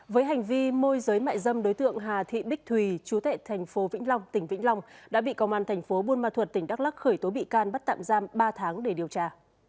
với hành vi môi giới mại dâm đối tượng hà thị bích thùy chú tệ thành phố vĩnh long tỉnh vĩnh long đã bị công an thành phố buôn ma thuật tỉnh đắk lắc khởi tố bị can bắt tạm giam ba tháng để điều tra